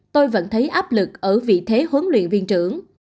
tôi vẫn thấy áp lực ở vị thế huấn luyện viên trưởng